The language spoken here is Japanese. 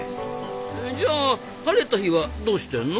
じゃあ晴れた日はどうしてんの？